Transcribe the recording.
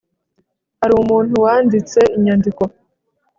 hari umuntu wanditse inyandiko